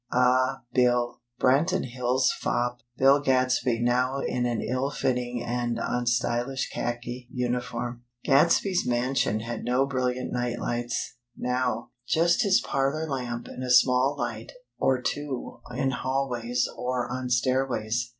Ah, Bill! Branton Hills' fop! Bill Gadsby now in an ill fitting and un stylish khaki uniform. Gadby's mansion had no brilliant night lights, now; just his parlor lamp and a small light or two in hallways or on stairways.